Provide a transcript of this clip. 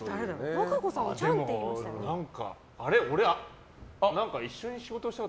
和歌子さんもちゃんって言いましたよ。